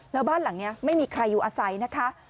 แล้วบ้านหลังนี้ไม่มีใครอยู่อาศัยนะคะ